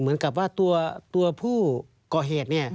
เหมือนกับว่าตัวผู้ก่อเหตุ